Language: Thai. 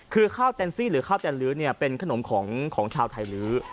คือข้าวแตนซี่หรือข้าวแตนลื้อเนี่ยเป็นขนมของชาวไทยลื้อ